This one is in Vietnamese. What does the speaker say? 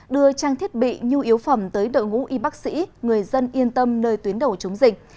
đưa trang thiết bị nhu yếu phẩm tới đội ngũ y bác sĩ người dân yên tâm nơi tuyến đầu chống dịch